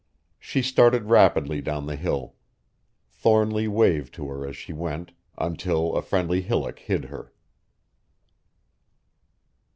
She started rapidly down the hill. Thornly waved to her as she went, until a friendly hillock hid her.